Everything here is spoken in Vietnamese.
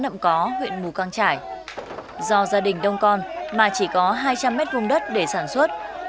hội viên phụ nữ bản đá đen xã nậm có huyện mù căng trải do gia đình đông con mà chỉ có hai trăm linh mét vùng đất để sản xuất